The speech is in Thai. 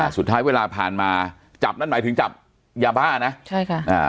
สุดท้ายเวลาผ่านมาจับนั่นหมายถึงจับยาบ้านะใช่ค่ะอ่า